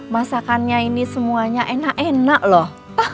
masakannya ini semuanya enak enak loh